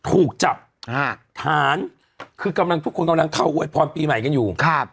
ถูกจับฐานคือกำลังทุกคนกำลังเข้าอวยพรปีใหม่กันอยู่